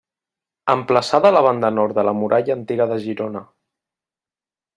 Emplaçada a la banda Nord de la muralla antiga de Girona.